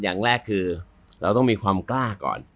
อย่างแรกคือเราต้องมีความกล้าก่อน